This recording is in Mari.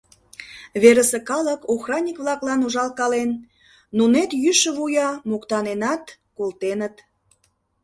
Верысе калык охранник-влаклан ужалкален, нунет йӱшӧ вуя моктаненат колтеныт.